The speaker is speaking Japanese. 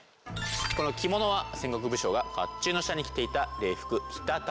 この着物は戦国武将が甲冑の下に着ていた礼服直垂。